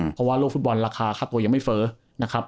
เพราะว่าโลกฟุตบอลราคาค่าตัวยังไม่เฟ้อนะครับ